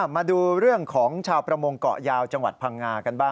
มาดูเรื่องของชาวประมงเกาะยาวจังหวัดพังงากันบ้าง